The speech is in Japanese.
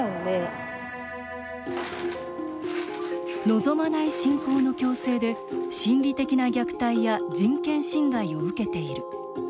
「望まない信仰の強制で心理的な虐待や人権侵害を受けている」。